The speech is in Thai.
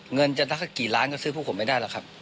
เงินจะสักกี่ล้านก็ซื้อพวกผมไม่ได้หรอกครับ